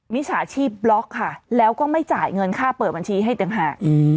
มิจฉาชีพบล็อกค่ะแล้วก็ไม่จ่ายเงินค่าเปิดบัญชีให้ต่างหาก